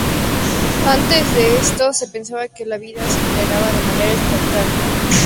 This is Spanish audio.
Antes de esto se pensaba que la vida se generaba de manera espontánea.